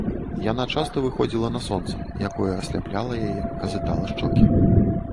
Яна часта выходзіла на сонца, якое асляпляла яе, казытала шчокі.